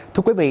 thưa quý vị